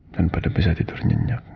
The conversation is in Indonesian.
dan pada besok tidur nyenyak